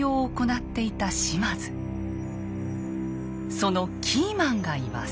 そのキーマンがいます。